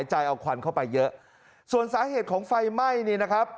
ใจเอาควันเข้าไปเยอะส่วนสาเหตุของไฟไหม้นี่นะครับ